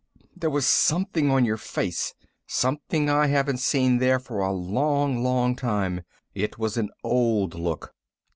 There was something on your face, something I haven't seen there for a long, long time. It was an old look."